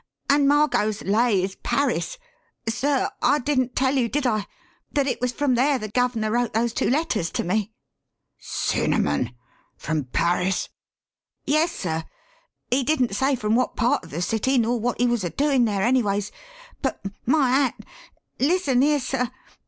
"And Margot's 'lay' is Paris. Sir, I didn't tell you, did I, that it was from there the guv'ner wrote those two letters to me?" "Cinnamon! From Paris?" "Yes, sir. He didn't say from wot part of the city nor wot he was a doin' there, anyways, but my hat! listen here, sir.